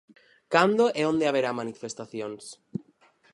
Cando e onde haberá manifestacións?